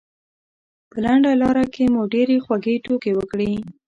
په لنډه لاره کې مو ډېرې خوږې ټوکې وکړې.